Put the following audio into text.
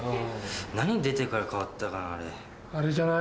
何出てから変わったかな？